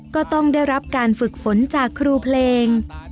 ก็ต้องได้รับการฝึกฝนจากครูเพลง